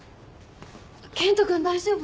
健人君大丈夫？